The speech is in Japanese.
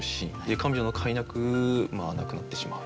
で看病のかいなく亡くなってしまう。